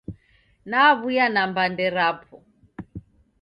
Naw'uya na mbande rapo